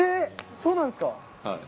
そうなんですか。